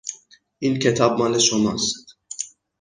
این کتاب مال شماست.